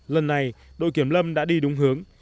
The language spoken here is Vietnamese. lần này đội kiểm lâm đã đi đúng hướng